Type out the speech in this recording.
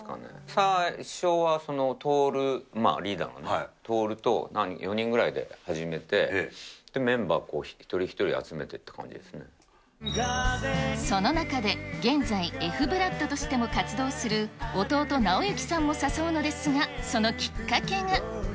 最初は亨、リーダのね、亨と４人ぐらいで始めて、メンバー、一人一人集めていった感じでその中で現在ＦーＢＬＯＯＤとしても活動する弟、尚之さんも誘うのですが、そのきっかけが。